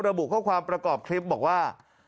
ระบุข้อความประกอบคลิปบอกว่า